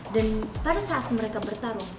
dan pada saat mereka bertarung